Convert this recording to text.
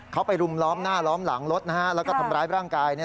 เขาไปรุมล้อมหน้าล้อมหลังรถแล้วก็ทำร้ายร่างกาย